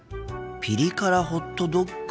ピリ辛ホットドッグ。